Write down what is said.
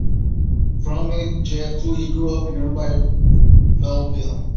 Frontman Jeff Tweedy grew up in nearby Belleville.